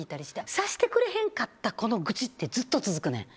察してくれへんかったこの愚痴ってずっと続くねん。